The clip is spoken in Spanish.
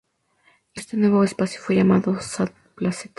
Este nuevo espacio fue llamado "Sa Placeta".